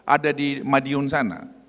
ada di madiun sana